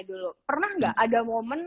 dulu pernah nggak ada momen